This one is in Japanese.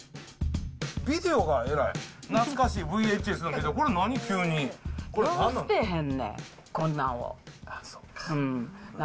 ビデオがえらい、懐かしい、ＶＨＳのビデオ、これ、何？